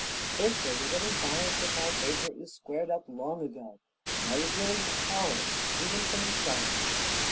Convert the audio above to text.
If there was any balance in my favor it was squared up long ago, and I was willing to call it even from the start.